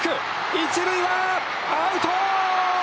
一塁はアウト！